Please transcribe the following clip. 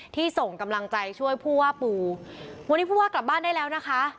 ส่งกำลังใจช่วยผู้ว่าปูวันนี้ผู้ว่ากลับบ้านได้แล้วนะคะ